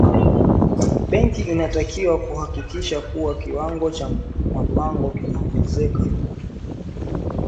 benki inatakiwa kuhakikisha kuwa kiwango cha mapato kinaongezeka